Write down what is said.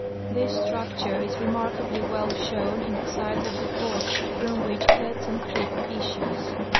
This structure is remarkably well shown in the sides of the gorge from which Kletsan creek issues.